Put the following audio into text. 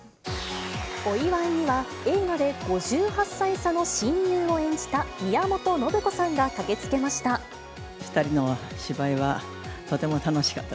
お祝いには、映画で５８歳差の親友を演じた宮本信子さんが駆けつけました。